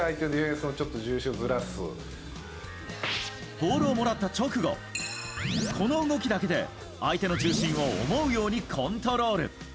ボールをもらった直後この動きだけで相手の重心を思うようにコントロール。